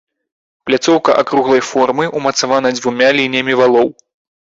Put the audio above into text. Пляцоўка акруглай формы, умацавана дзвюма лініямі валоў.